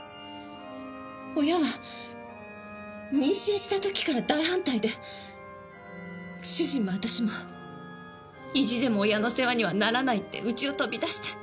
親は妊娠した時から大反対で主人も私も意地でも親の世話にはならないって家を飛び出して。